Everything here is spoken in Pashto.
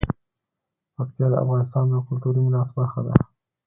پکتیا د افغانستان د کلتوري میراث برخه ده.